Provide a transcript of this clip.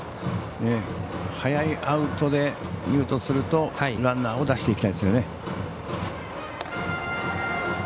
早いアウトでいうとするとランナーを出していきたいですよね。